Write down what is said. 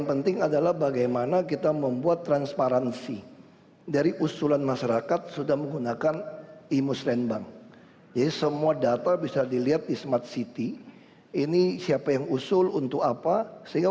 paslon dua terlebih dahulu waktunya adalah dua menit silakan